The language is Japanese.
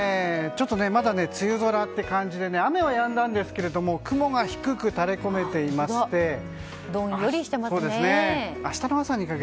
ちょっとまだ梅雨空という感じで雨はやんだんですけども雲は低く垂れこめていましてどんよりしていますね。